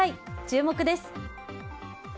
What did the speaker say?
注目です。